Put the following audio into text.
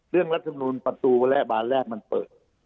เรื่องรัฐสำนุนประตูแวละบานแรกมันเปิด